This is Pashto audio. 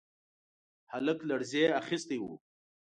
هلک لړزې اخيستی و.